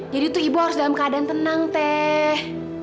jadi tuh ibu harus dalam keadaan tenang teh